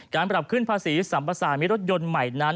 การประดับขึ้นภาษีสรรพสารในรถยนต์ใหม่นั้น